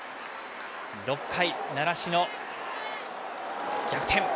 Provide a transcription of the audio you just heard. ６回、習志野は逆転。